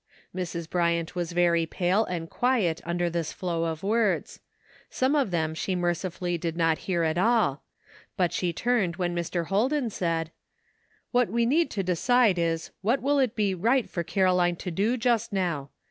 Mrs. Bryant was very pale and quiet under this flow of words. Some of them she merci fully did not hear at all ; but she turned when Mr. Holden said :" What we need to decide is, what will it be right for Caroline to do just now